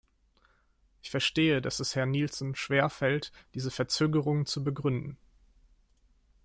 Ich verstehe, dass es Herrn Nielson schwer fällt, diese Verzögerungen zu begründen.